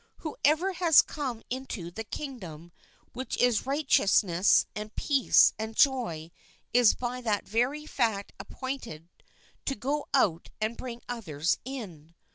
Whoever has come into the kingdom which is righteousness and peace and joy is by that very fact appointed to go out and bring others in.